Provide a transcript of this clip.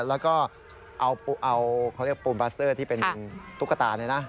แล้วก็เอาพูลปลาสเตอร์ที่เป็นตุ๊กตาเนี่ยนะ